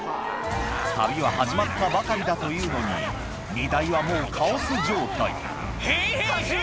旅は始まったばかりだというのに荷台はもうカオス状態ヘイヘイヘイ！